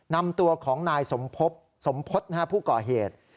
นำตัวของนายสมพจน์ผู้ก่อเหตุ